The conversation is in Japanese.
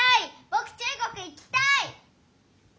ぼく中国行きたい！